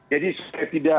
jadi saya tidak